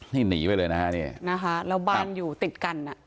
นี่หนีไปเลยนะฮะเนี่ยนะคะแล้วบ้านอยู่ติดกันอ่ะ